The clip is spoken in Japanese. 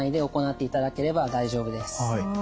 はい。